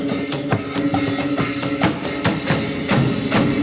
สวัสดีสวัสดี